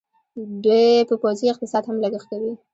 دوی په پوځي اقتصاد هم لګښت کوي.